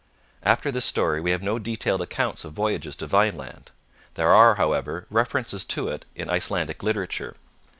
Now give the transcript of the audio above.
After this story we have no detailed accounts of voyages to Vineland. There are, however, references to it in Icelandic literature.